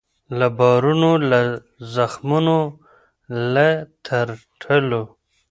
له بارونو له زخمونو له ترټلو